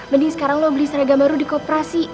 mending sekarang lo beli seragam baru di koperasi